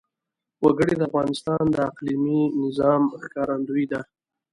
وګړي د افغانستان د اقلیمي نظام ښکارندوی ده.